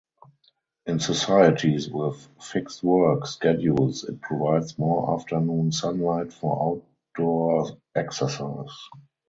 In societies with fixed work schedules it provides more afternoon sunlight for outdoor exercise.